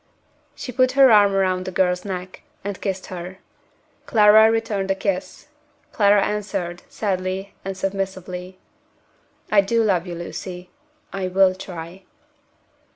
She put her arm round the girl's neck, and kissed her. Clara returned the kiss; Clara answered, sadly and submissively, "I do love you, Lucy. I will try."